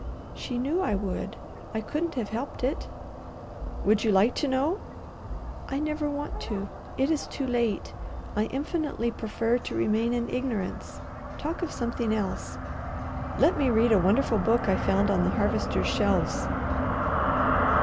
"She knew I would! I couldn't have helped it." "Would you like to know?" "I never want to. It is too late. I infinitely prefer to remain in ignorance. Talk of something else." "Let me read a wonderful book I found on the Harvester's shelves."